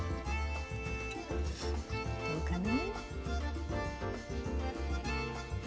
どうかな？